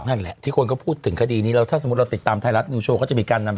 นั่นแหละที่คนก็พูดถึงคดีนี้แล้วถ้าสมมุติเราติดตามไทยรัฐนิวโชว์ก็จะมีการนำ